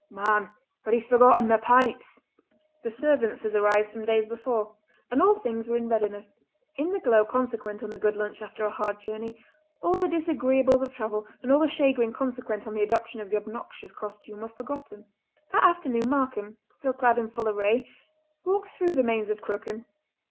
"Man! but he's forgotten the pipes!" The servants had arrived some days before, and all things were in readiness. In the glow consequent on a good lunch after a hard journey all the disagreeables of travel and all the chagrin consequent on the adoption of the obnoxious costume were forgotten. That afternoon Markam, still clad in full array, walked through the Mains of Crooken.